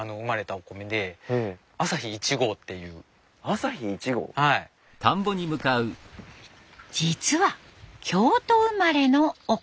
実はでも実は京都生まれのお米。